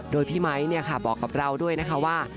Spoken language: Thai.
โดยพี่ไมค์บอกกับเราด้วยนะคะว่า